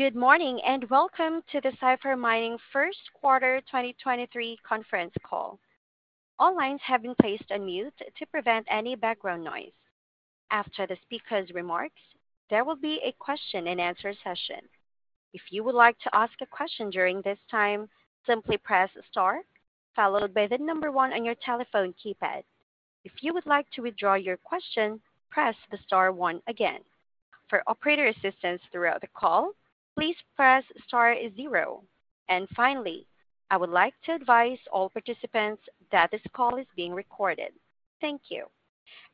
Good morning, welcome to the Cipher Mining First Quarter 2023 Conference Call. All lines have been placed on mute to prevent any background noise. After the speaker's remarks, there will be a question-and-answer session. If you would like to ask a question during this time, simply press star followed by the number one on your telephone keypad. If you would like to withdraw your question, press the star one again. For operator assistance throughout the call, please press star zero. Finally, I'd like to advise all participants that this call is being recorded. Thank you.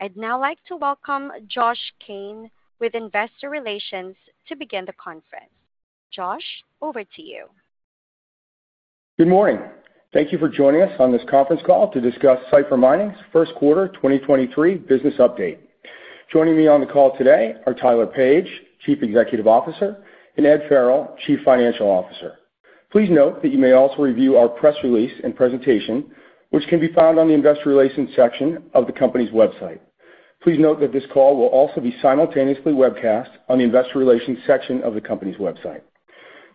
I'd now like to welcome Josh Kane with Investor Relations to begin the conference. Josh, over to you. Good morning. Thank you for joining us on this conference call to discuss Cipher Mining's first-quarter 2023 business update. Joining me on the call today are Tyler Page, Chief Executive Officer, and Ed Farrell, Chief Financial Officer. Please note that you may also review our press release and presentation, which can be found on the investor relations section of the company's website. Please note that this call will also be simultaneously webcast on the investor relations section of the company's website.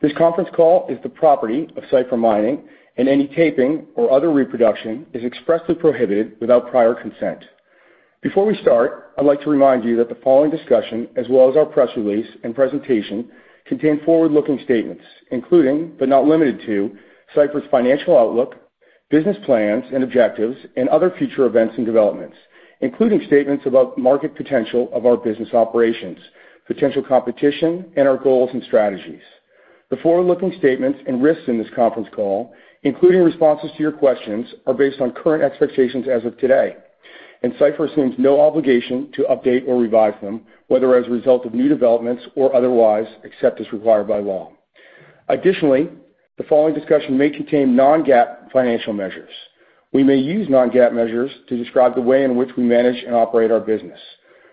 This conference call is the property of Cipher Mining. Any taping or other reproduction is expressly prohibited without prior consent. Before we start, I'd like to remind you that the following discussion, as well as our press release and presentation, contain forward-looking statements, including, but not limited to, Cipher's financial outlook, business plans and objectives, and other future events and developments, including statements about market potential of our business operations, potential competition, and our goals and strategies. The forward-looking statements and risks in this conference call, including responses to your questions, are based on current expectations as of today, and Cipher assumes no obligation to update or revise them, whether as a result of new developments or otherwise, except as required by law. Additionally, the following discussion may contain non-GAAP financial measures. We may use non-GAAP measures to describe the way in which we manage and operate our business.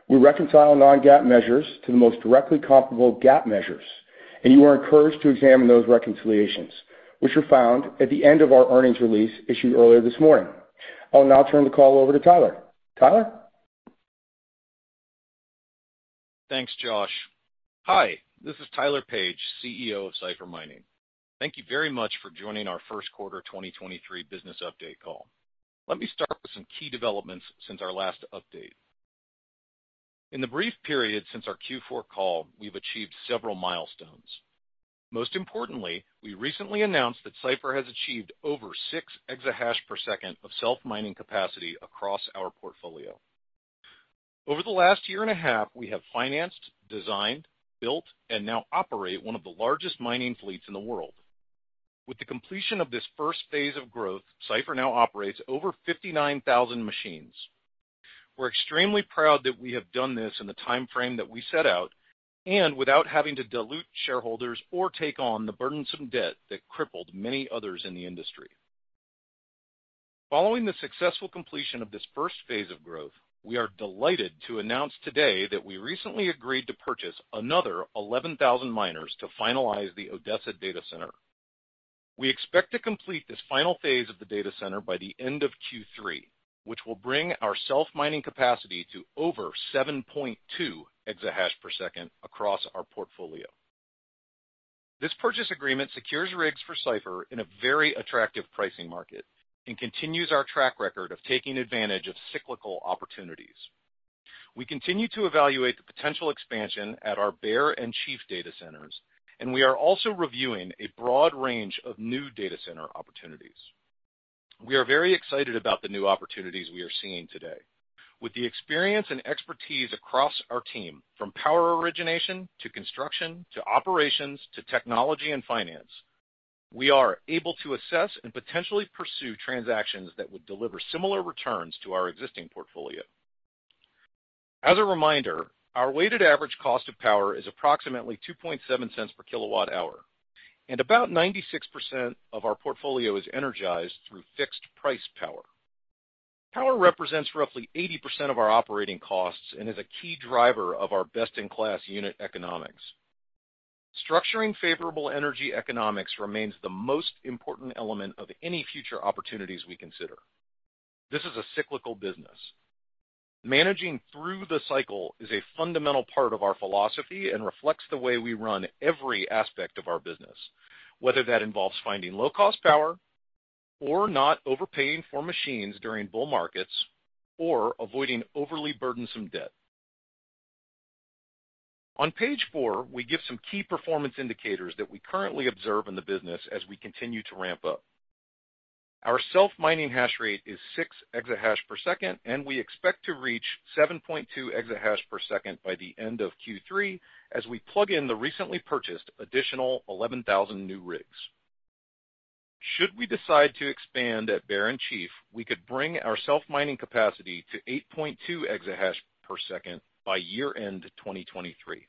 We reconcile non-GAAP measures to the most directly comparable GAAP measures, and you are encouraged to examine those reconciliations, which are found at the end of our earnings release issued earlier this morning. I'll now turn the call over to Tyler. Tyler? Thanks, Josh. Hi, this is Tyler Page, CEO of Cipher Mining. Thank you very much for joining our first-quarter 2023 business update call. Let me start with some key developments since our last update. In the brief period since our Q4 call, we've achieved several milestones. Most importantly, we recently announced that Cipher has achieved over 6 EH/s of self-mining capacity across our portfolio. Over the last year and a half, we have financed, designed, built, and now operate one of the largest mining fleets in the world. With the completion of this first phase of growth, Cipher now operates over 59,000 machines. We're extremely proud that we have done this in the time frame that we set out and without having to dilute shareholders or take on the burdensome debt that crippled many others in the industry. Following the successful completion of this first phase of growth, we are delighted to announce today that we recently agreed to purchase another 11,000 miners to finalize the Odessa data center. We expect to complete this final phase of the data center by the end of Q3, which will bring our self-mining capacity to over 7.2 EH/s across our portfolio. This purchase agreement secures rigs for Cipher in a very attractive pricing market and continues our track record of taking advantage of cyclical opportunities. We continue to evaluate the potential expansion at our Bear and Chief data centers, and we are also reviewing a broad range of new data center opportunities. We are very excited about the new opportunities we are seeing today. With the experience and expertise across our team, from power origination to construction to operations to technology and finance, we are able to assess and potentially pursue transactions that would deliver similar returns to our existing portfolio. As a reminder, our weighted average cost of power is approximately $0.027 per kWh, and about 96% of our portfolio is energized through fixed-price power. Power represents roughly 80% of our operating costs and is a key driver of our best-in-class unit economics. Structuring favorable energy economics remains the most important element of any future opportunities we consider. This is a cyclical business. Managing through the cycle is a fundamental part of our philosophy and reflects the way we run every aspect of our business, whether that involves finding low-cost power or not overpaying for machines during bull markets or avoiding overly burdensome debt. On page four, we give some key performance indicators that we currently observe in the business as we continue to ramp up. Our self-mining hash rate is 6 EH/s, and we expect to reach 7.2 EH/s by the end of Q3 as we plug in the recently purchased additional 11,000 new rigs. Should we decide to expand at Bear and Chief, we could bring our self-mining capacity to 8.2 EH/s by year-end 2023.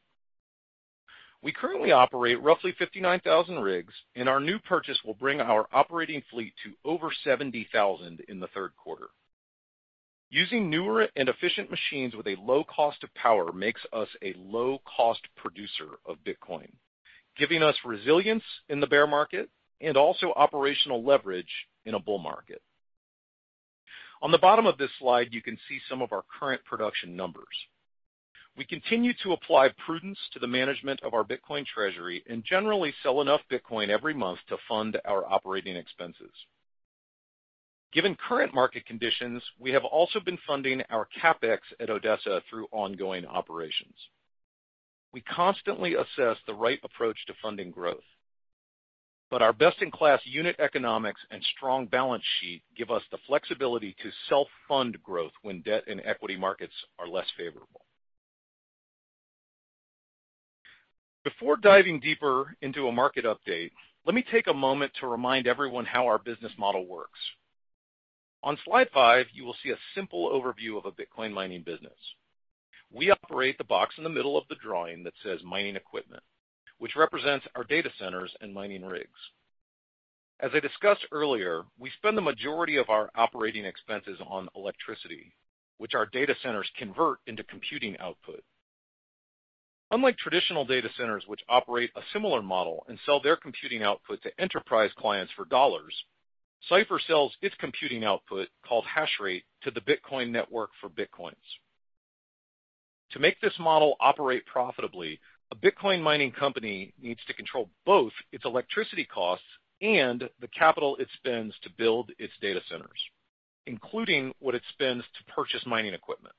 We currently operate roughly 59,000 rigs, and our new purchase will bring our operating fleet to over 70,000 in the third quarter. Using newer and efficient machines with a low cost of power makes us a low-cost producer of Bitcoin, giving us resilience in the bear market and also operational leverage in a bull market. On the bottom of this slide, you can see some of our current production numbers. We continue to apply prudence to the management of our Bitcoin treasury and generally sell enough Bitcoin every month to fund our operating expenses. Given current market conditions, we have also been funding our CapEx at Odessa through ongoing operations. We constantly assess the right approach to funding growth, but our best-in-class unit economics and strong balance sheet give us the flexibility to self-fund growth when debt and equity markets are less favorable. Before diving deeper into a market update, let me take a moment to remind everyone how our business model works. On slide five, you will see a simple overview of a Bitcoin mining business. We operate the box in the middle of the drawing that says mining equipment, which represents our data centers and mining rigs. As I discussed earlier, we spend the majority of our operating expenses on electricity, which our data centers convert into computing output. Unlike traditional data centers which operate a similar model and sell their computing output to enterprise clients for dollars, Cipher sells its computing output, called hash rate, to the Bitcoin network for Bitcoins. To make this model operate profitably, a Bitcoin mining company needs to control both its electricity costs and the capital it spends to build its data centers, including what it spends to purchase mining equipment.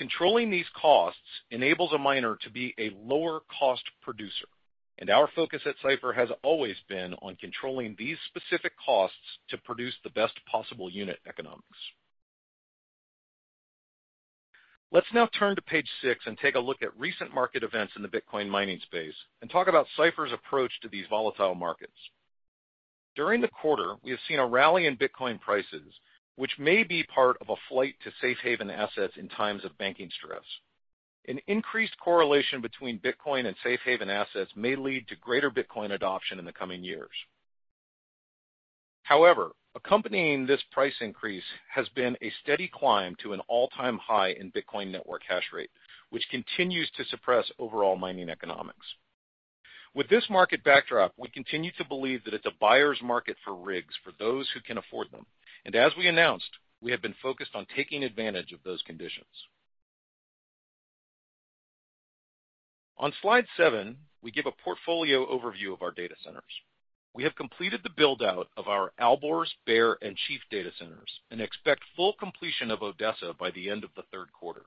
Controlling these costs enables a miner to be a lower-cost producer. Our focus at Cipher has always been on controlling these specific costs to produce the best possible unit economics. Let's now turn to page six and take a look at recent market events in the Bitcoin mining space and talk about Cipher's approach to these volatile markets. During the quarter, we have seen a rally in Bitcoin prices, which may be part of a flight to safe haven assets in times of banking stress. An increased correlation between Bitcoin and safe haven assets may lead to greater Bitcoin adoption in the coming years. However, accompanying this price increase has been a steady climb to an all-time high in Bitcoin network hash rate, which continues to suppress overall mining economics. With this market backdrop, we continue to believe that it's a buyer's market for rigs for those who can afford them. As we announced, we have been focused on taking advantage of those conditions. On slide 7, we give a portfolio overview of our data centers. We have completed the build-out of our Alborz, Bear, and Chief data centers and expect full completion of Odessa by the end of the third quarter.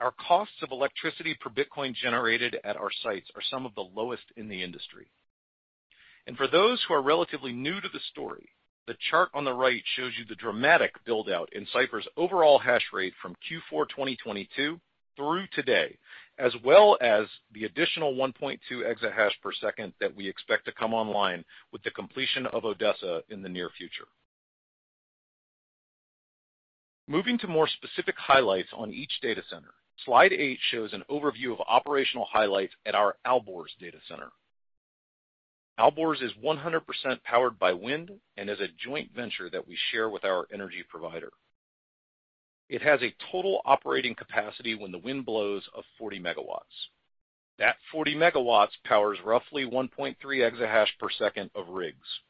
Our costs of electricity per Bitcoin generated at our sites are some of the lowest in the industry. For those who are relatively new to the story, the chart on the right shows you the dramatic build-out in Cipher's overall hash rate from Q4 2022 through today, as well as the additional 1.2 EH/s that we expect to come online with the completion of Odessa in the near future. Moving to more specific highlights on each data center. Slide eight shows an overview of operational highlights at our Alborz data center. Alborz is 100% powered by wind and is a joint venture that we share with our energy provider. It has a total operating capacity when the wind blows of 40 MW. That 40 MW powers roughly 1.3 EH/s of rigs.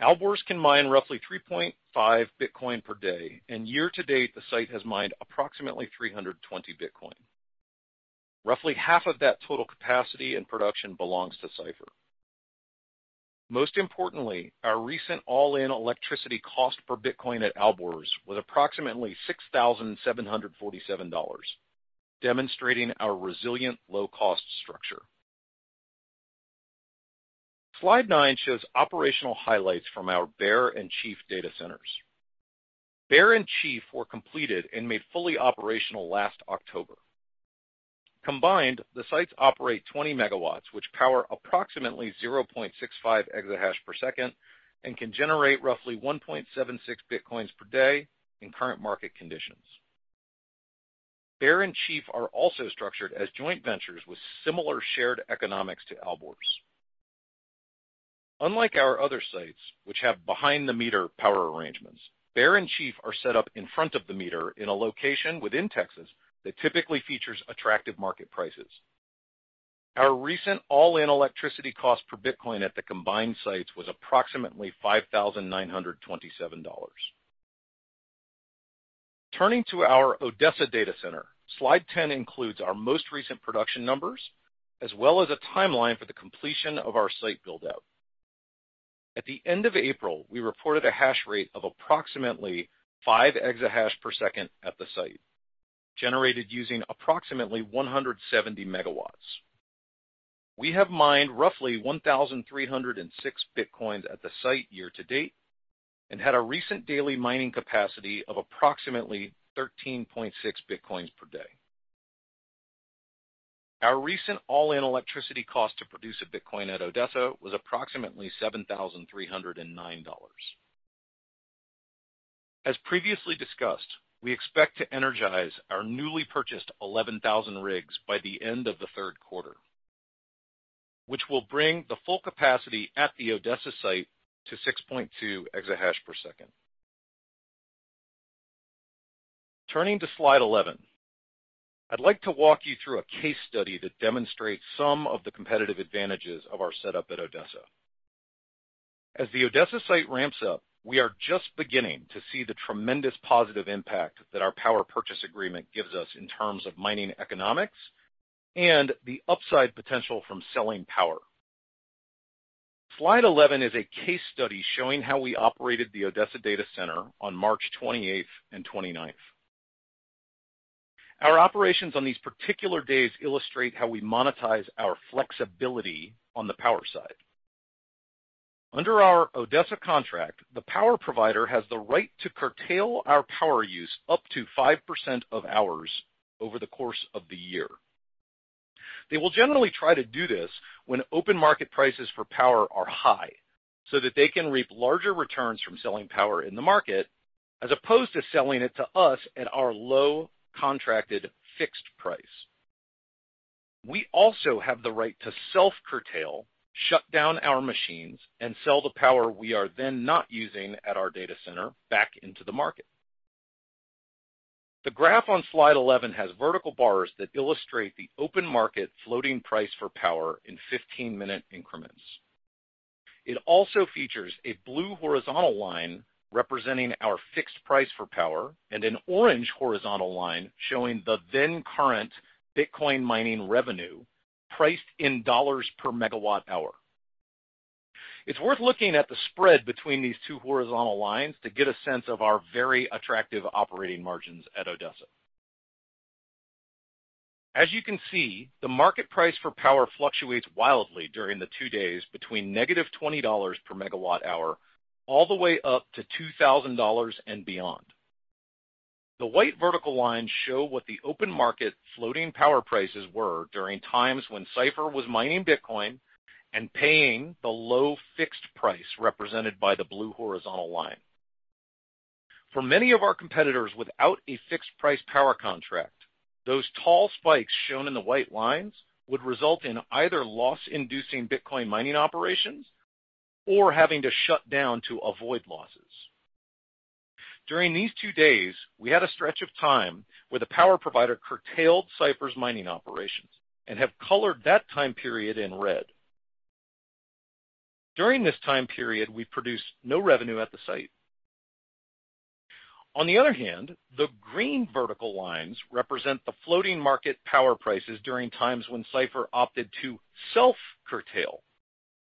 Alborz can mine roughly 3.5 Bitcoin per day, and year-to-date, the site has mined approximately 320 Bitcoin. Roughly half of that total capacity and production belongs to Cipher. Most importantly, our recent all-in electricity cost per Bitcoin at Alborz was approximately $6,747, demonstrating our resilient low-cost structure. Slide nine shows operational highlights from our Bear and Chief data centers. Bear and Chief were completed and made fully operational last October. Combined, the sites operate 20 MW, which power approximately 0.65 EH/s and can generate roughly 1.76 Bitcoins per day in current market conditions. Bear and Chief are also structured as joint ventures with similar shared economics to Alborz. Unlike our other sites, which have behind-the-meter power arrangements, Bear and Chief are set up in front-of-the-meter in a location within Texas that typically features attractive market prices. Our recent all-in electricity cost per Bitcoin at the combined sites was approximately $5,927. Turning to our Odessa data center, slide 10 includes our most recent production numbers as well as a timeline for the completion of our site build-out. At the end of April, we reported a hash rate of approximately 5 EH/s at the site, generated using approximately 170 MW. We have mined roughly 1,306 Bitcoins at the site year-to-date and had a recent daily mining capacity of approximately 13.6 Bitcoins per day. Our recent all-in electricity cost to produce a Bitcoin at Odessa was approximately $7,309. As previously discussed, we expect to energize our newly purchased 11,000 rigs by the end of the third quarter, which will bring the full capacity at the Odessa site to 6.2 EH/s. Turning to slide 11. I'd like to walk you through a case study that demonstrates some of the competitive advantages of our setup at Odessa. As the Odessa site ramps up, we are just beginning to see the tremendous positive impact that our power purchase agreement gives us in terms of mining economics and the upside potential from selling power. Slide 11 is a case study showing how we operated the Odessa Data Center on March 28th and 29th. Our operations on these particular days illustrate how we monetize our flexibility on the power side. Under our Odessa contract, the power provider has the right to curtail our power use up to 5% of hours over the course of the year. They will generally try to do this when open market prices for power are high, so that they can reap larger returns from selling power in the market as opposed to selling it to us at our low contracted fixed price. We also have the right to self-curtail, shut down our machines, and sell the power we are then not using at our data center back into the market. The graph on slide 11 has vertical bars that illustrate the open market floating price for power in 15-minute increments. It also features a blue horizontal line representing our fixed price for power, and an orange horizontal line showing the then current Bitcoin mining revenue priced in $ per MWh. It's worth looking at the spread between these two horizontal lines to get a sense of our very attractive operating margins at Odessa. As you can see, the market price for power fluctuates wildly during the two days between -$20 per MWh, all the way up to $2,000 and beyond. The white vertical lines show what the open market floating power prices were during times when Cipher was mining Bitcoin and paying the low fixed price represented by the blue horizontal line. For many of our competitors without a fixed price power contract, those tall spikes shown in the white lines would result in either loss-inducing Bitcoin mining operations or having to shut down to avoid losses. During these two days, we had a stretch of time where the power provider curtailed Cipher's mining operations and have colored that time period in red. During this time period, we produced no revenue at the site. On the other hand, the green vertical lines represent the floating market power prices during times when Cipher opted to self-curtail,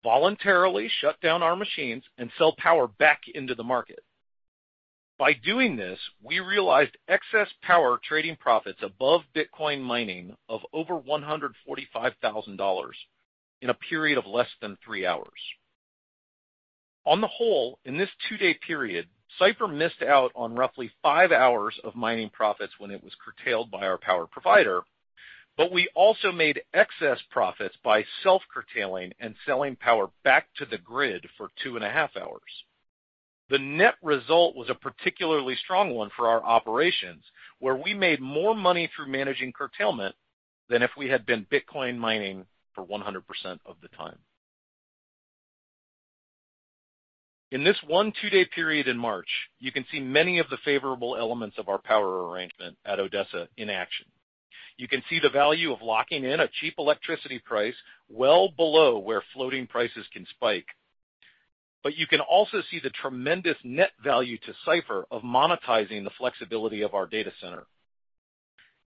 voluntarily shut down our machines, and sell power back into the market. By doing this, we realized excess power trading profits above Bitcoin mining of over $145,000 in a period of less than three hours. On the whole, in this two-day period, Cipher missed out on roughly five hours of mining profits when it was curtailed by our power provider. We also made excess profits by self-curtailing and selling power back to the grid for two and a half hours. The net result was a particularly strong one for our operations, where we made more money through managing curtailment than if we had been Bitcoin mining for 100% of the time. In this one two-day period in March, you can see many of the favorable elements of our power arrangement at Odessa in action. You can see the value of locking in a cheap electricity price well below where floating prices can spike. You can also see the tremendous net value to Cipher of monetizing the flexibility of our data center.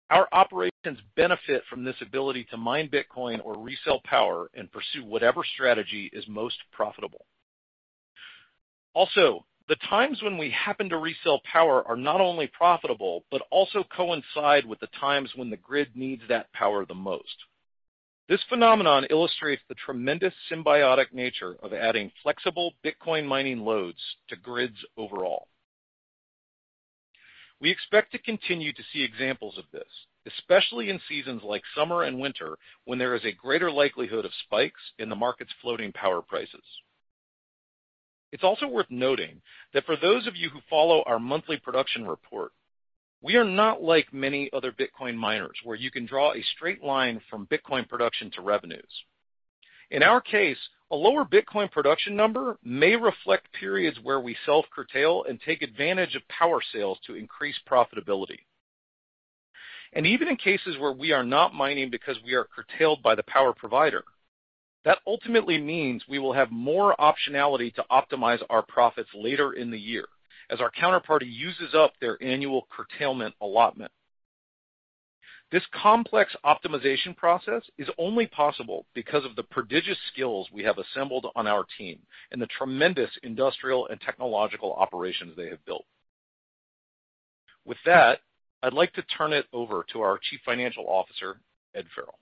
Our operations benefit from this ability to mine Bitcoin or resell power and pursue whatever strategy is most profitable. Also, the times when we happen to resell power are not only profitable, but also coincide with the times when the grid needs that power the most. This phenomenon illustrates the tremendous symbiotic nature of adding flexible Bitcoin mining loads to grids overall. We expect to continue to see examples of this, especially in seasons like summer and winter, when there is a greater likelihood of spikes in the market's floating power prices. It's also worth noting that for those of you who follow our monthly production report, we are not like many other Bitcoin miners, where you can draw a straight line from Bitcoin production to revenues. In our case, a lower Bitcoin production number may reflect periods where we self-curtail and take advantage of power sales to increase profitability. Even in cases where we are not mining because we are curtailed by the power provider, that ultimately means we will have more optionality to optimize our profits later in the year as our counterparty uses up their annual curtailment allotment. This complex optimization process is only possible because of the prodigious skills we have assembled on our team and the tremendous industrial and technological operations they have built. With that, I'd like to turn it over to our Chief Financial Officer, Ed Farrell.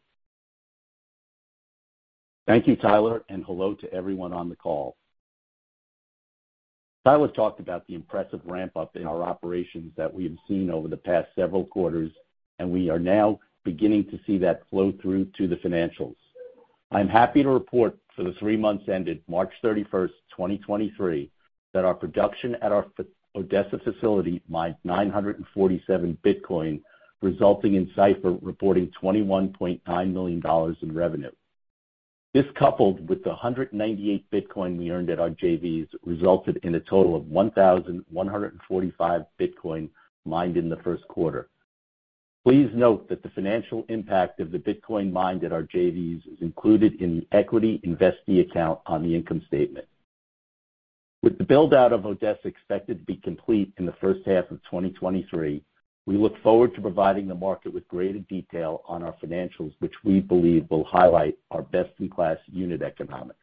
Thank you, Tyler, and hello to everyone on the call. Tyler talked about the impressive ramp-up in our operations that we have seen over the past several quarters, and we are now beginning to see that flow through to the financials. I'm happy to report for the three months ended March 31, 2023, that our production at our Odessa facility mined 947 Bitcoin, resulting in Cipher reporting $21.9 million in revenue. This coupled with the 198 Bitcoin we earned at our JVs, resulted in a total of 1,145 Bitcoin mined in the 1st quarter. Please note that the financial impact of the Bitcoin mined at our JVs is included in the equity investee account on the income statement. With the build-out of Odessa expected to be complete in the first half of 2023, we look forward to providing the market with greater detail on our financials, which we believe will highlight our best-in-class unit economics.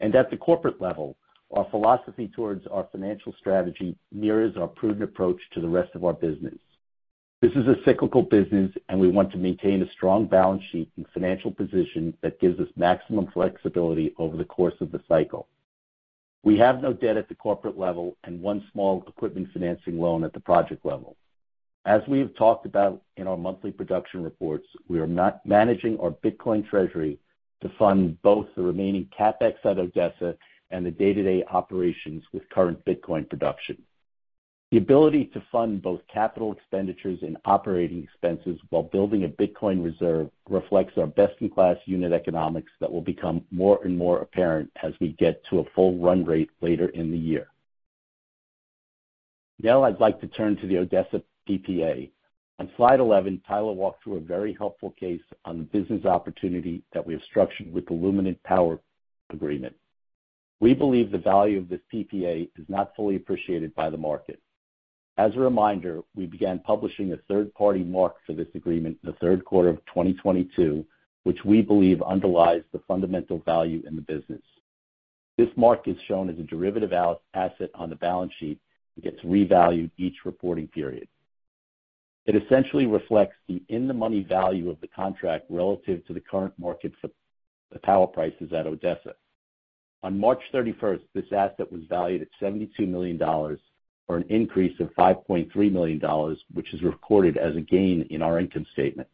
At the corporate level, our philosophy towards our financial strategy mirrors our prudent approach to the rest of our business. This is a cyclical business, and we want to maintain a strong balance sheet and financial position that gives us maximum flexibility over the course of the cycle. We have no debt at the corporate level and one small equipment financing loan at the project level. As we have talked about in our monthly production reports, we are not managing our Bitcoin treasury to fund both the remaining CapEx at Odessa and the day-to-day operations with current Bitcoin production. The ability to fund both capital expenditures and operating expenses while building a Bitcoin reserve reflects our best-in-class unit economics that will become more and more apparent as we get to a full run rate later in the year. Now I'd like to turn to the Odessa PPA. On slide 11, Tyler walked through a very helpful case on the business opportunity that we have structured with the Luminant power agreement. We believe the value of this PPA is not fully appreciated by the market. As a reminder, we began publishing a third-party mark for this agreement in the 3rd quarter of 2022, which we believe underlies the fundamental value in the business. This mark is shown as a derivative asset on the balance sheet. It gets revalued each reporting period. It essentially reflects the in-the-money value of the contract relative to the current market for the power prices at Odessa. On March 31st, this asset was valued at $72 million, or an increase of $5.3 million, which is recorded as a gain in our income statement.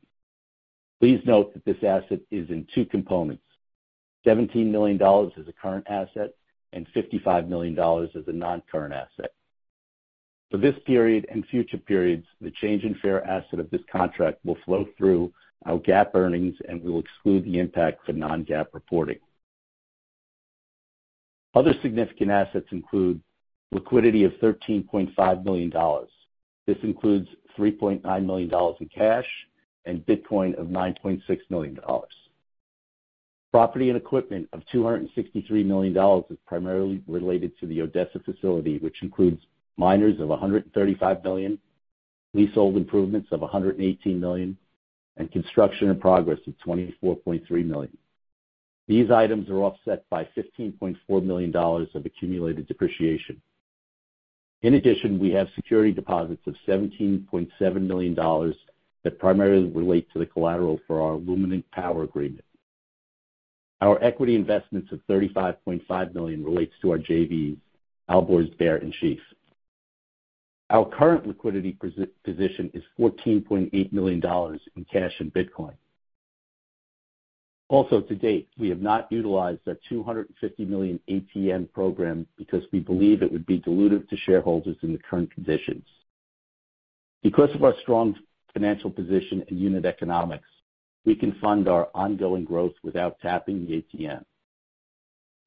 Please note that this asset is in two components: $17 million as a current asset and $55 million as a non-current asset. For this period and future periods, the change in fair asset of this contract will flow through our GAAP earnings and will exclude the impact for non-GAAP reporting. Other significant assets include liquidity of $13.5 million. This includes $3.9 million in cash and Bitcoin of $9.6 million. Property and equipment of $263 million is primarily related to the Odessa facility, which includes miners of $135 million, leasehold improvements of $118 million, and construction in progress of $24.3 million. These items are offset by $15.4 million of accumulated depreciation. In addition, we have security deposits of $17.7 million that primarily relate to the collateral for our Luminant Power Agreement. Our equity investments of $35.5 million relates to our JVs, Alborz, Bear, and Chief. Our current liquidity position is $14.8 million in cash and Bitcoin. To date, we have not utilized our $250 million ATM program because we believe it would be dilutive to shareholders in the current conditions. Of our strong financial position and unit economics, we can fund our ongoing growth without tapping the ATM.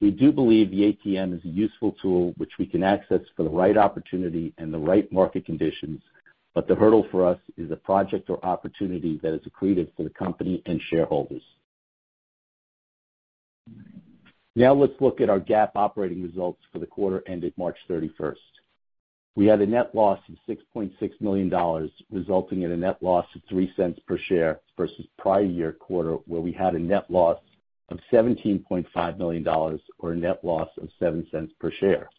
We do believe the ATM is a useful tool which we can access for the right opportunity and the right market conditions, the hurdle for us is a project or opportunity that is accretive to the company and shareholders. Let's look at our GAAP operating results for the quarter ended March 31st. We had a net loss of $6.6 million, resulting in a net loss of $0.03 per share versus prior year quarter, where we had a net loss of $17.5 million or a net loss of $0.07 per share.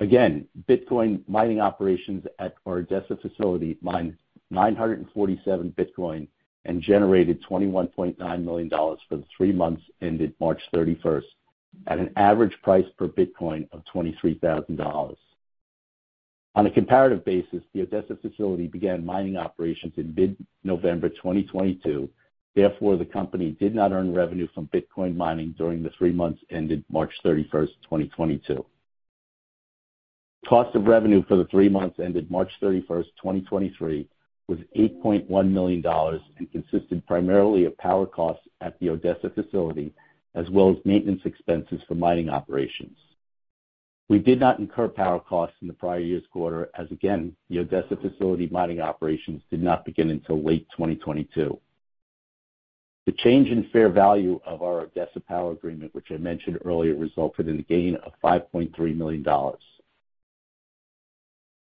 Bitcoin mining operations at our Odessa facility mined 947 Bitcoin and generated $21.9 million for the three months ended March 31, at an average price per Bitcoin of $23,000. On a comparative basis, the Odessa facility began mining operations in mid-November 2022. The company did not earn revenue from Bitcoin mining during the three months ended March 31, 2022. Cost of revenue for the three months ended March 31, 2023 was $8.1 million and consisted primarily of power costs at the Odessa facility, as well as maintenance expenses for mining operations. We did not incur power costs in the prior year's quarter as again, the Odessa facility mining operations did not begin until late 2022. The change in fair value of our Odessa power agreement, which I mentioned earlier, resulted in a gain of $5.3 million.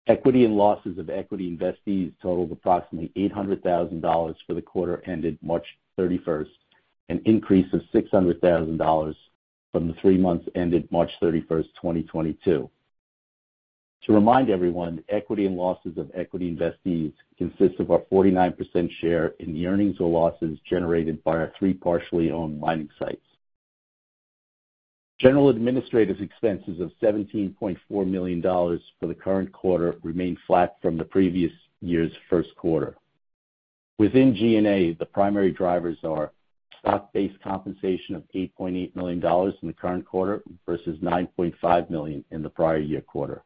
Equity and losses of equity investees totaled approximately $800,000 for the quarter ended March 31st, an increase of $600,000 from the three months ended March 31st, 2022. To remind everyone, equity and losses of equity investees consists of our 49% share in the earnings or losses generated by our three partially owned mining sites. General and administrative expenses of $17.4 million for the current quarter remained flat from the previous year's 1st quarter. Within G&A, the primary drivers are stock-based compensation of $8.8 million in the current quarter versus $9.5 million in the prior year quarter.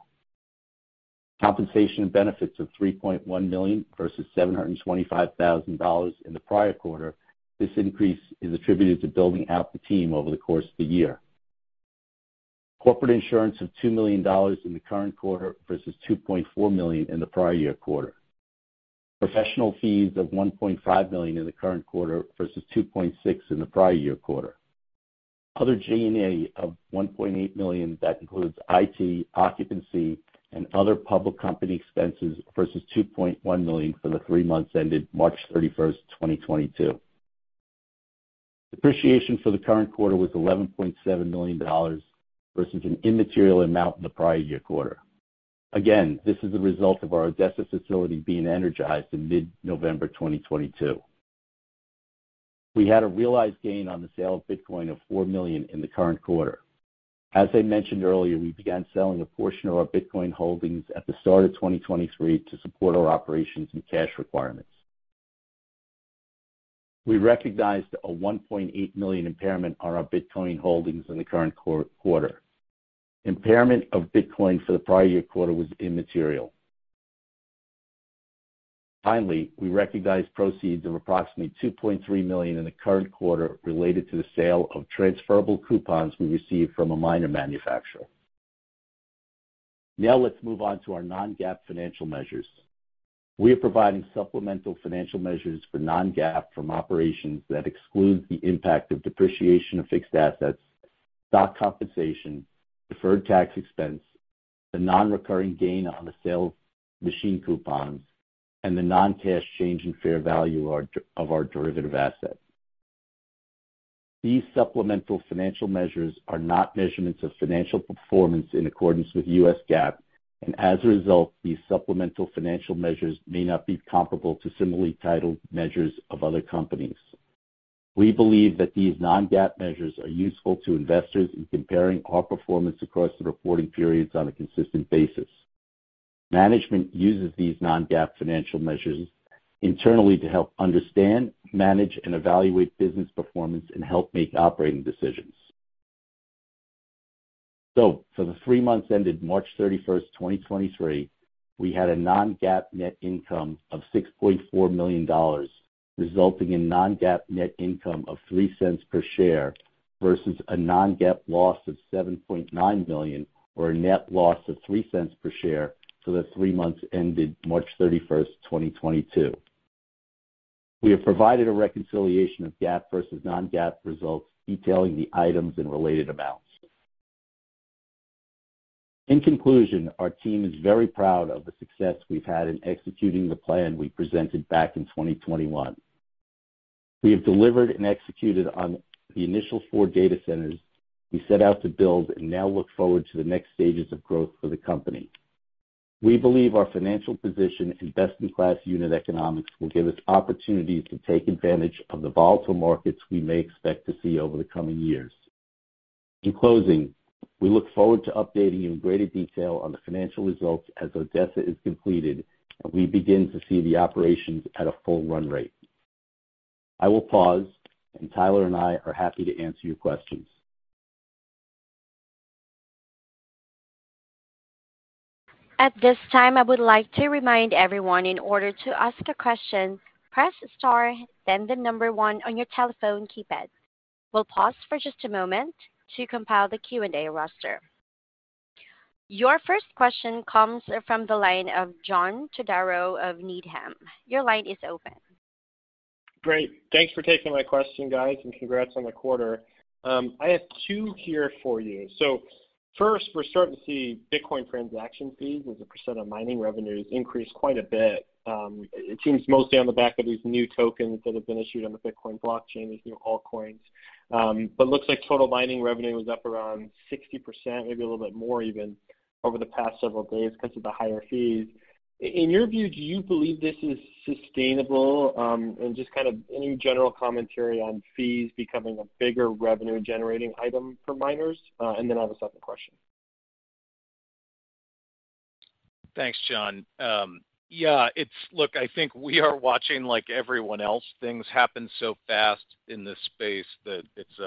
Compensation and benefits of $3.1 million versus $725,000 in the prior quarter. This increase is attributed to building out the team over the course of the year. Corporate insurance of $2 million in the current quarter versus $2.4 million in the prior year quarter. Professional fees of $1.5 million in the current quarter versus $2.6 million in the prior year quarter. Other G&A of $1.8 million that includes IT, occupancy, and other public company expenses versus $2.1 million for the three months ended March 31st, 2022. Depreciation for the current quarter was $11.7 million versus an immaterial amount in the prior year quarter. This is the result of our Odessa facility being energized in mid-November 2022. We had a realized gain on the sale of Bitcoin of $4 million in the current quarter. As I mentioned earlier, we began selling a portion of our Bitcoin holdings at the start of 2023 to support our operations and cash requirements. We recognized a $1.8 million impairment on our Bitcoin holdings in the current quarter. Impairment of Bitcoin for the prior year quarter was immaterial. We recognized proceeds of approximately $2.3 million in the current quarter related to the sale of transferable coupons we received from a miner manufacturer. Let's move on to our non-GAAP financial measures. We are providing supplemental financial measures for non-GAAP from operations that exclude the impact of depreciation of fixed assets, stock compensation, deferred tax expense, the non-recurring gain on the sale of machine coupons, and the non-cash change in fair value of our derivative assets. These supplemental financial measures are not measurements of financial performance in accordance with US GAAP, and as a result, these supplemental financial measures may not be comparable to similarly titled measures of other companies. We believe that these non-GAAP measures are useful to investors in comparing our performance across the reporting periods on a consistent basis. Management uses these non-GAAP financial measures internally to help understand, manage, and evaluate business performance and help make operating decisions. For the three months ended March 31, 2023, we had a non-GAAP net income of $6.4 million, resulting in non-GAAP net income of $0.03 per share versus a non-GAAP loss of $7.9 million or a net loss of $0.03 per share for the three months ended March 31, 2022. We have provided a reconciliation of GAAP versus non-GAAP results detailing the items and related amounts. In conclusion, our team is very proud of the success we've had in executing the plan we presented back in 2021. We have delivered and executed on the initial four data centers we set out to build and now look forward to the next stages of growth for the company. We believe our financial position and best-in-class unit economics will give us opportunities to take advantage of the volatile markets we may expect to see over the coming years. In closing, we look forward to updating you in greater detail on the financial results as Odessa is completed, and we begin to see the operations at a full run rate. I will pause. Tyler and I are happy to answer your questions. At this time, I would like to remind everyone in order to ask a question, press star then the number one on your telephone keypad. We'll pause for just a moment to compile the Q&A roster. Your first question comes from the line of John Todaro of Needham. Your line is open. Great. Thanks for taking my question, guys, and congrats on the quarter. I have two here for you. First, we're starting to see Bitcoin transaction fees as a percent of mining revenues increase quite a bit. It seems mostly on the back of these new tokens that have been issued on the Bitcoin blockchain, these new altcoins. Looks like total mining revenue was up around 60%, maybe a little bit more even over the past several days because of the higher fees. In your view, do you believe this is sustainable? Just kind of any general commentary on fees becoming a bigger revenue-generating item for miners? I have a second question. Thanks, John. Look, I think we are watching like everyone else. Things happen so fast in this space that it's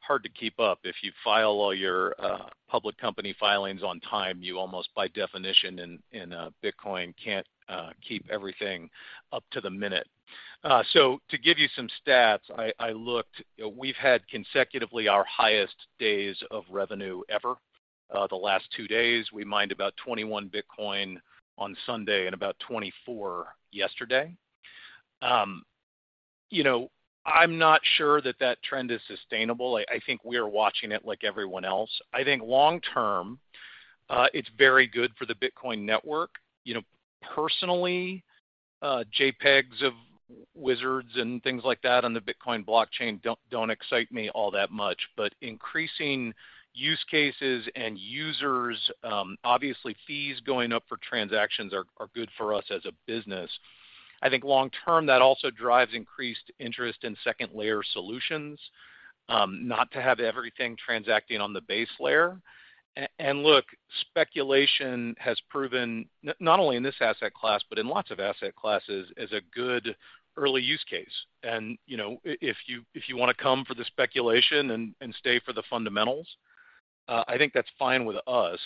hard to keep up. If you file all your public company filings on time, you almost by definition in Bitcoin can't keep everything up to the minute. To give you some stats, I looked, we've had consecutively our highest days of revenue ever. The last two days, we mined about 21 Bitcoin on Sunday and about 24 yesterday. You know, I'm not sure that that trend is sustainable. I think we are watching it like everyone else. I think long term, it's very good for the Bitcoin network. You know, personally, JPEGs of wizards and things like that on the Bitcoin blockchain don't excite me all that much. Increasing use cases and users, obviously fees going up for transactions are good for us as a business. I think long term, that also drives increased interest in second-layer solutions, not to have everything transacting on the base layer. Look, speculation has proven not only in this asset class, but in lots of asset classes, as a good early use case. You know, if you wanna come for the speculation and stay for the fundamentals. I think that's fine with us.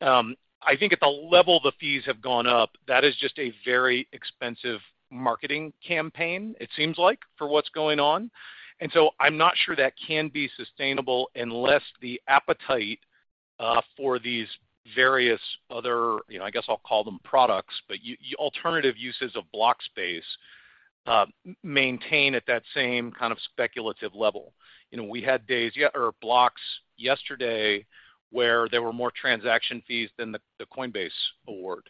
I think at the level the fees have gone up, that is just a very expensive marketing campaign, it seems like, for what's going on. I'm not sure that can be sustainable unless the appetite for these various other, you know, I guess I'll call them products, but alternative uses of block space, maintain at that same kind of speculative level. You know, we had days or blocks yesterday where there were more transaction fees than the coinbase reward.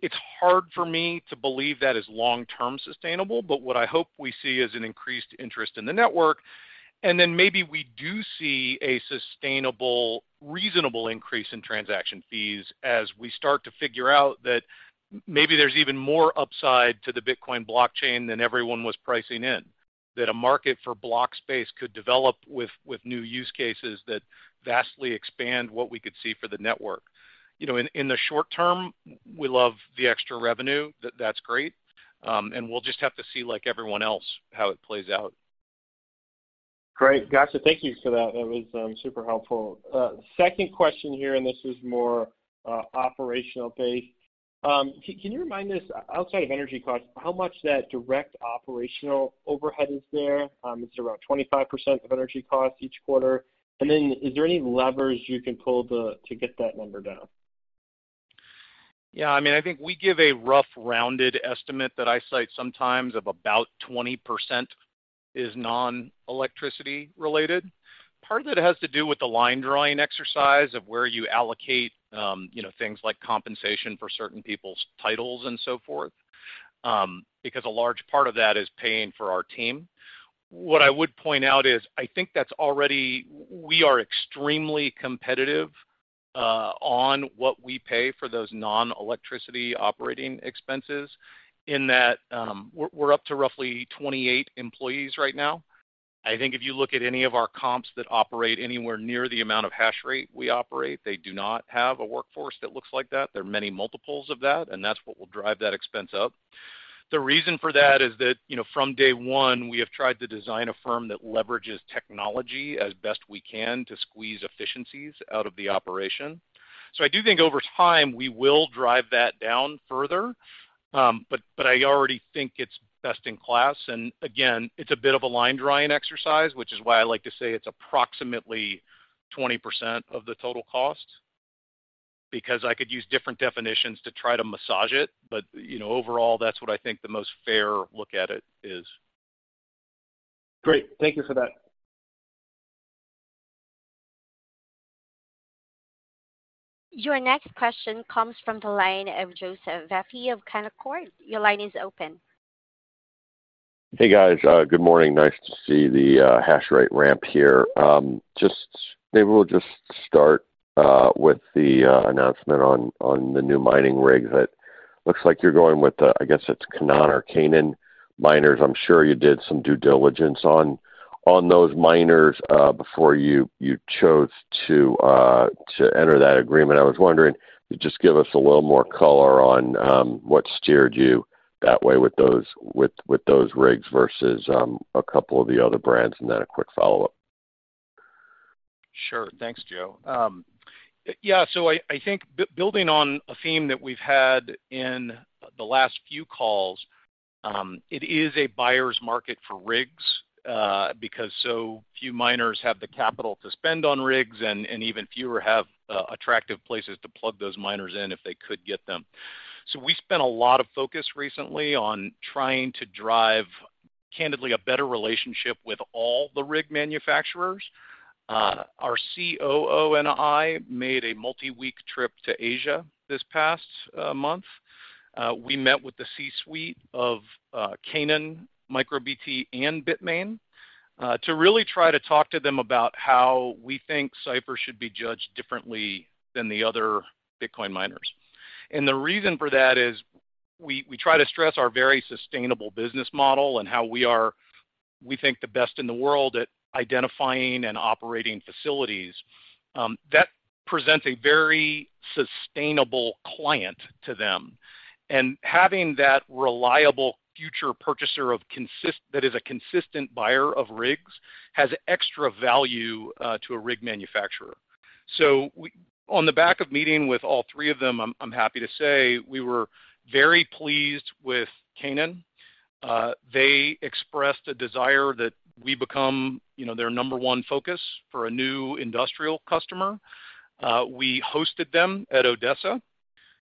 It's hard for me to believe that is long-term sustainable, but what I hope we see is an increased interest in the network, and then maybe we do see a sustainable, reasonable increase in transaction fees as we start to figure out that maybe there's even more upside to the Bitcoin blockchain than everyone was pricing in, that a market for block space could develop with new use cases that vastly expand what we could see for the network. You know, in the short term, we love the extra revenue. That's great. And we'll just have to see, like everyone else, how it plays out. Great. Gotcha. Thank you for that. That was super helpful. Second question here. This is more operational-based. Can you remind us outside of energy costs how much that direct operational overhead is there? It's around 25% of energy costs each quarter. Is there any levers you can pull to get that number down? Yeah. I mean, I think we give a rough rounded estimate that I cite sometimes of about 20% is non-electricity related. Part of it has to do with the line-drawing exercise of where you allocate, you know, things like compensation for certain people's titles and so forth, because a large part of that is paying for our team. What I would point out is we are extremely competitive on what we pay for those non-electricity operating expenses in that, we're up to roughly 28 employees right now. I think if you look at any of our comps that operate anywhere near the amount of hash rate we operate, they do not have a workforce that looks like that. There are many multiples of that, and that's what will drive that expense up. The reason for that is that, you know, from day one, we have tried to design a firm that leverages technology as best we can to squeeze efficiencies out of the operation. I do think over time, we will drive that down further, but I already think it's best in class. Again, it's a bit of a line-drawing exercise, which is why I like to say it's approximately 20% of the total cost because I could use different definitions to try to massage it. You know, overall, that's what I think the most fair look at it is. Great. Thank you for that. Your next question comes from the line of Joseph Vafi of Canaccord. Your line is open. Hey, guys. Good morning. Nice to see the hash rate ramp here. Maybe we'll just start with the announcement on the new mining rig that looks like you're going with the, I guess it's Canaan or Canaan miners. I'm sure you did some due diligence on those miners before you chose to enter that agreement. I was wondering if you could just give us a little more color on what steered you that way with those rigs versus a couple of the other brands, and then a quick follow-up. Sure. Thanks, Joe. Yeah, so I think building on a theme that we've had in the last few calls, it is a buyer's market for rigs, because so few miners have the capital to spend on rigs, and even fewer have attractive places to plug those miners in if they could get them. We spent a lot of focus recently on trying to drive, candidly, a better relationship with all the rig manufacturers. Our COO and I made a multi-week trip to Asia this past month. We met with the C-suite of Canaan, MicroBT, and Bitmain, to really try to talk to them about how we think Cipher should be judged differently than the other Bitcoin miners. The reason for that is we try to stress our very sustainable business model and how we are, we think, the best in the world at identifying and operating facilities. That presents a very sustainable client to them. Having that reliable future purchaser that is a consistent buyer of rigs has extra value to a rig manufacturer. On the back of meeting with all three of them, I'm happy to say we were very pleased with Canaan. They expressed a desire that we become, you know, their number-one focus for a new industrial customer. We hosted them at Odessa.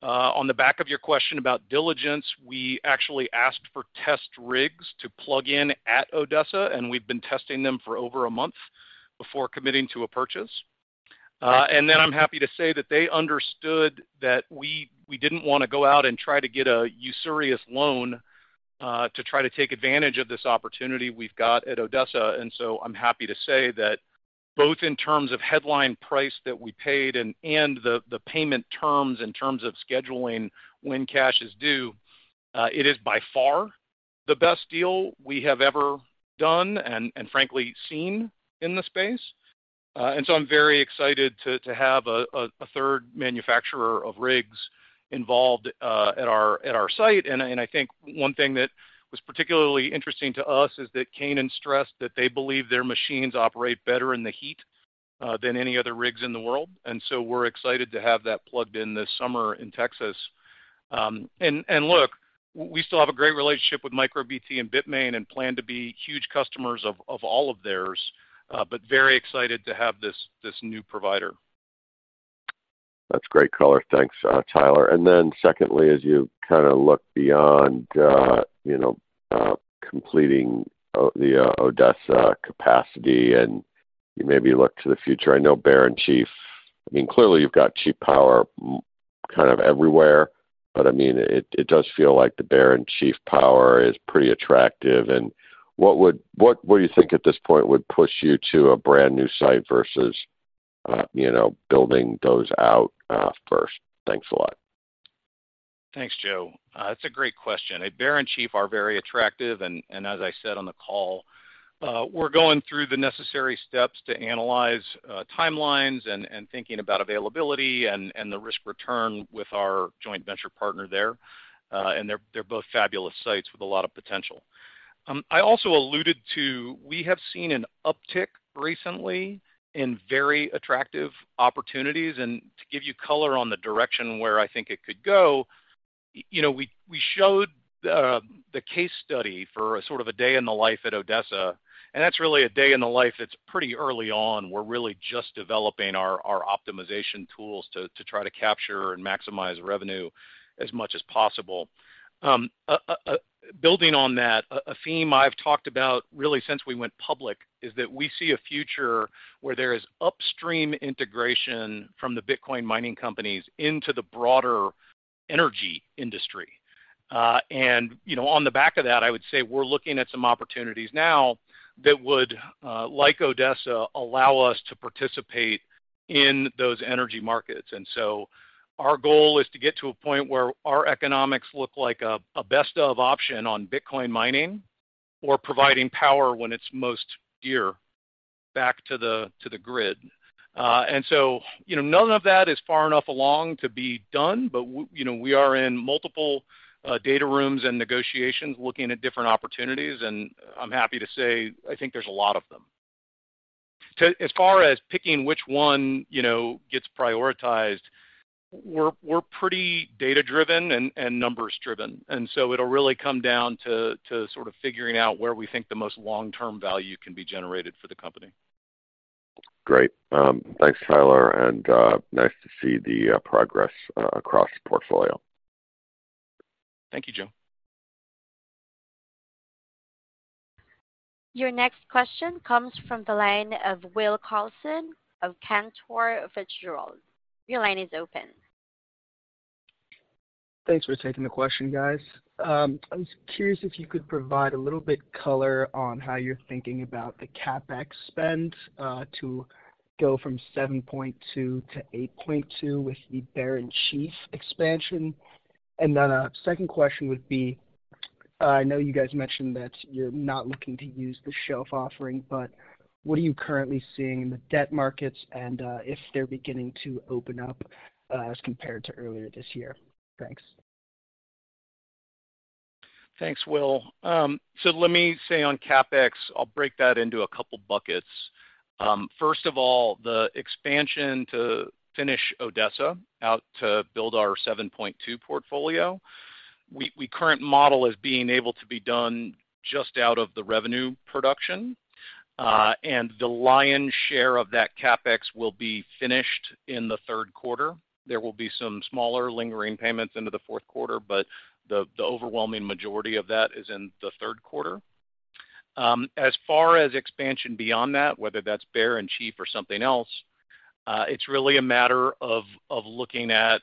On the back of your question about diligence, we actually asked for test rigs to plug in at Odessa, and we've been testing them for over a month before committing to a purchase. I'm happy to say that they understood that we didn't wanna go out and try to get a usurious loan to try to take advantage of this opportunity we've got at Odessa. I'm happy to say that both in terms of headline price that we paid and the payment terms in terms of scheduling when cash is due, it is by far the best deal we have ever done and frankly seen in the space. I'm very excited to have a third manufacturer of rigs involved at our site. I think one thing that was particularly interesting to us is that Canaan stressed that they believe their machines operate better in the heat than any other rigs in the world. We're excited to have that plugged in this summer in Texas. And, and look, we still have a great relationship with MicroBT and Bitmain and plan to be huge customers of all of theirs, but very excited to have this new provider. That's great color. Thanks, Tyler. Secondly, as you kinda look beyond, you know, completing the Odessa capacity, and you maybe look to the future, I know Bear and Chief. I mean, clearly, you've got cheap power kind of everywhere, but I mean, it does feel like the Bear and Chief power is pretty attractive. What, what do you think at this point would push you to a brand-new site versus, you know, building those out first? Thanks a lot. Thanks, Joe. That's a great question. Bear and Chief are very attractive, and as I said on the call, we're going through the necessary steps to analyze, timelines and thinking about availability and the risk-return with our joint venture partner there. And they're both fabulous sites with a lot of potential. I also alluded to we have seen an uptick recently in very attractive opportunities. To give you color on the direction where I think it could go, you know, we showed the case study for a sort of a day in the life at Odessa, and that's really a day in the life that's pretty early on. We're really just developing our optimization tools to try to capture and maximize revenue as much as possible. Building on that, a theme I've talked about really since we went public is that we see a future where there is upstream integration from the Bitcoin mining companies into the broader energy industry. You know, on the back of that, I would say we're looking at some opportunities now that would, like Odessa, allow us to participate in those energy markets. Our goal is to get to a point where our economics look like a best of option on Bitcoin mining or providing power when it's most dear back to the grid. You know, none of that is far enough along to be done, but you know, we are in multiple data rooms and negotiations looking at different opportunities, and I'm happy to say I think there's a lot of them. As far as picking which one, you know, gets prioritized, we're pretty data-driven and numbers-driven. It'll really come down to sort of figuring out where we think the most long-term value can be generated for the company. Great. thanks, Tyler, and nice to see the progress across the portfolio. Thank you, Joe. Your next question comes from the line of Will Carlson of Cantor Fitzgerald. Your line is open. Thanks for taking the question, guys. I was curious if you could provide a little bit color on how you're thinking about the CapEx spend, to go from 7.2 EH/s to 8.2 EH/s with the Bear and Chief expansion? A second question would be, I know you guys mentioned that you're not looking to use the shelf offering, but what are you currently seeing in the debt markets and, if they're beginning to open up, as compared to earlier this year? Thanks. Thanks, Will. Let me say on CapEx, I'll break that into a couple buckets. First of all, the expansion to finish Odessa out to build our 7.2 portfolio, we current model as being able to be done just out of the revenue production, and the lion's share of that CapEx will be finished in the third quarter. There will be some smaller lingering payments into the fourth quarter, but the overwhelming majority of that is in the third quarter. As far as expansion beyond that, whether that's Bear and Chief or something else, it's really a matter of looking at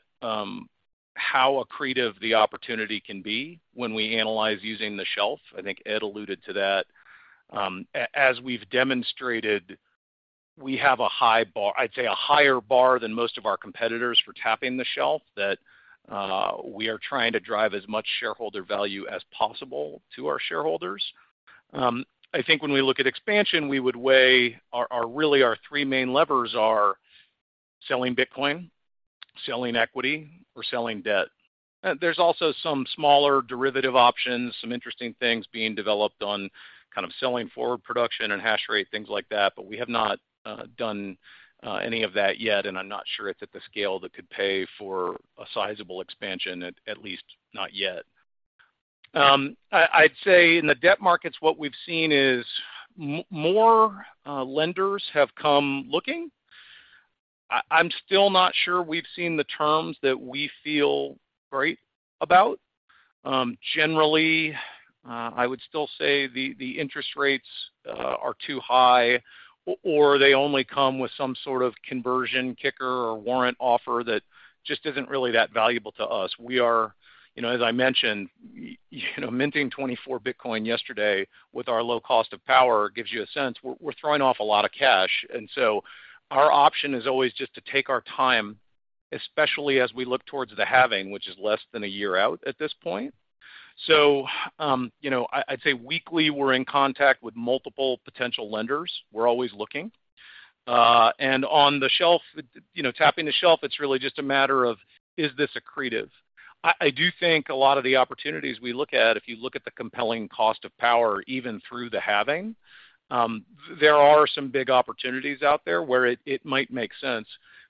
how accretive the opportunity can be when we analyze using the shelf. I think Ed alluded to that. As we've demonstrated, we have a high bar, I'd say a higher bar than most of our competitors for tapping the shelf, that we are trying to drive as much shareholder value as possible to our shareholders. I think when we look at expansion, we would weigh our really our three main levers are selling Bitcoin, selling equity or selling debt. There's also some smaller derivative options, some interesting things being developed on kind of selling forward production and hash rate, things like that, but we have not done any of that yet, and I'm not sure it's at the scale that could pay for a sizable expansion, at least not yet. I'd say in the debt markets, what we've seen is more lenders have come looking. I'm still not sure we've seen the terms that we feel great about. Generally, I would still say the interest rates are too high or they only come with some sort of conversion kicker or warrant offer that just isn't really that valuable to us. We are, you know, as I mentioned, you know, minting 24 Bitcoin yesterday with our low cost of power gives you a sense we're throwing off a lot of cash. Our option is always just to take our time, especially as we look towards the halving, which is less than one year out at this point. You know, I'd say weekly we're in contact with multiple potential lenders. We're always looking. On the shelf, you know, tapping the shelf, it's really just a matter of is this accretive. I do think a lot of the opportunities we look at, if you look at the compelling cost of power, even through the halving, there are some big opportunities out there where it might make sense,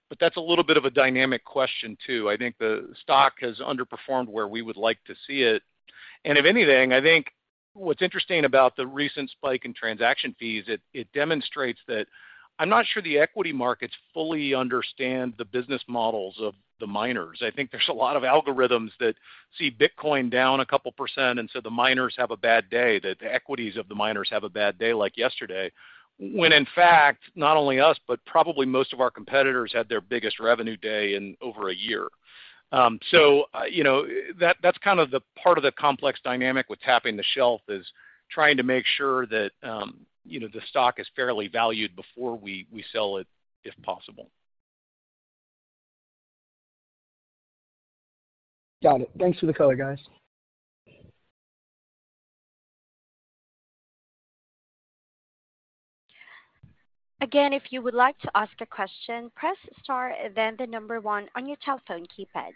but that's a little bit of a dynamic question, too. I think the stock has underperformed where we would like to see it. If anything, I think what's interesting about the recent spike in transaction fees, it demonstrates that I'm not sure the equity markets fully understand the business models of the miners. I think there's a lot of algorithms that see Bitcoin down a couple % and so the miners have a bad day, that the equities of the miners have a bad day like yesterday, when in fact, not only us, but probably most of our competitors had their biggest revenue day in over a year. You know, that's kind of the part of the complex dynamic with tapping the shelf is trying to make sure that, you know, the stock is fairly valued before we sell it if possible. Got it. Thanks for the color, guys. If you would like to ask a question, press star then the number one on your telephone keypad.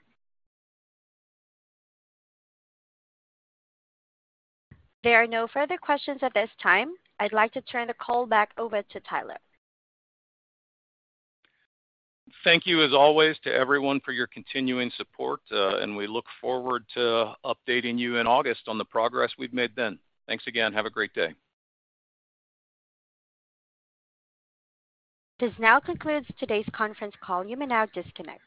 There are no further questions at this time. I'd like to turn the call back over to Tyler. Thank you as always to everyone for your continuing support, and we look forward to updating you in August on the progress we've made then. Thanks again. Have a great day. This now concludes today's conference call. You may now disconnect.